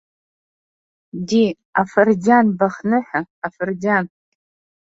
Ди, афырџьан бахныҳәа, афырџьан.